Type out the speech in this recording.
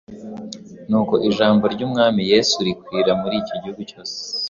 nuko “Ijambo ry’Umwami Yesu rikwira muri icyo gihugu cyose.”.